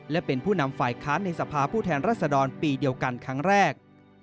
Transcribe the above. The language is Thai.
และเป็นผู้นำฝ่ายค้านในสภาผู้แทนรัศดรปีเดียวกันครั้งแรก